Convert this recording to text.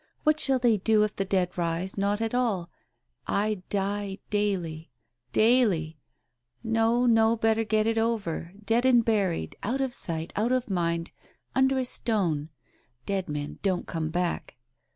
What shall they do if the dead rise not at all !... I die daily ... 1 Daily ! No, no, better get it over ... dead and buried ... out of sight, out of mind ... under a stone. Dead men don't come back.